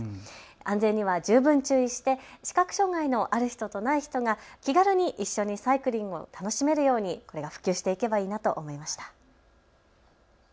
安全には十分注意して視覚障害のある人とない人が一緒に気軽にサイクリング楽しめるよう普及していけばいいなと思いました。